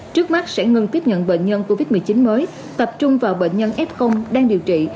trước mắt sẽ ngừng tiếp nhận bệnh nhân covid một mươi chín mới tập trung vào bệnh nhân f đang điều trị